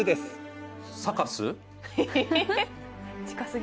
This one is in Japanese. サカス？